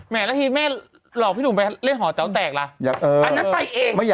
แหมแล้วทีแม่ลองพี่หนูไปเล่นหอแล้วแต่เอาแตกละ